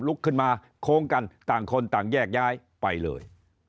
ลุกขึ้นมาโค้งกันต่างคนต่างแยกย้ายไปเลย